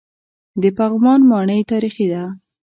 د پغمان ماڼۍ تاریخي ده